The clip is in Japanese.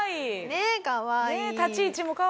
ねえかわいい。